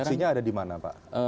tupoksinya ada dimana pak